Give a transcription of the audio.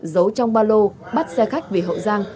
giấu trong ba lô bắt xe khách về hậu giang